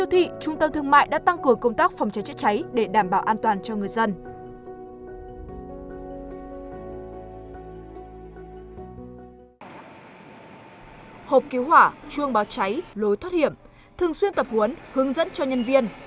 hộp cứu hỏa chuông báo cháy lối thoát hiểm thường xuyên tập huấn hướng dẫn cho nhân viên